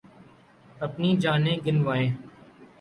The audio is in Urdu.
اپنی جانیں گنوائیں